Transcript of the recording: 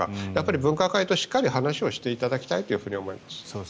分科会としっかり話していただきたいと思います。